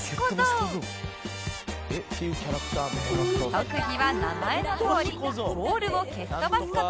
特技は名前のとおりボールを蹴っとばす事